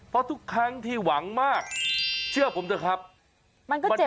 เพราะทุกครั้งที่หวังมากเชื่อผมเถอะครับ